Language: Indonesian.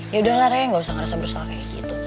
yaudah re gak usah ngerasa bersalah kayak gitu